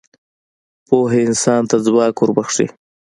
پوهه انسان ته ځواک وربخښي.